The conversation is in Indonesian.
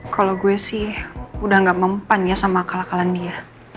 kalau gue sih udah gak mempan ya sama akal akalan dia